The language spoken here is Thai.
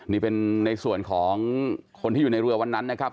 นี่เป็นในส่วนของคนที่อยู่ในเรือวันนั้นนะครับ